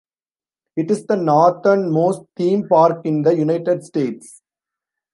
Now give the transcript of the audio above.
It is the northernmost theme Park in the United States.